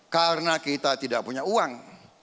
karena kita tidak punya uang